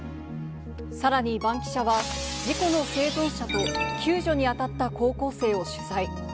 さらにバンキシャ！は、事故の生存者と、救助に当たった高校生を取材。